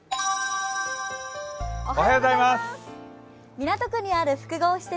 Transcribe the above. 港にある複合施設